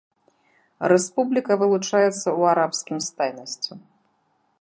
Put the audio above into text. Рэспубліка вылучаецца ў арабскім свеце надзвычайнай рэлігійнай разнастайнасцю.